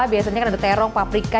biasanya kan ada terong paprika